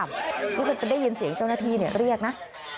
ก็จะได้ยินเสียงเจ้าหน้าที่เรียกนะ